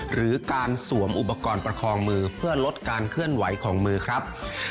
หรือการสวมอุปกรณ์ประคองมือเพื่อลดการเคลื่อนไหวของมือครับ